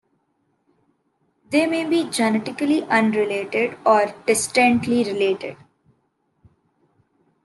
They may be genetically unrelated, or only distantly related.